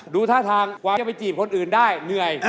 ดูท่าทางกว่าจะไปจีบคนอื่นได้เหนื่อย